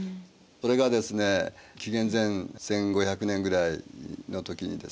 これがですね紀元前１５００年ぐらいの時にですね